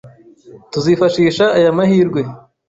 Tuzifashisha aya mahirwe.